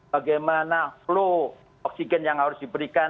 bagaimana flow oksigen yang harus diberikan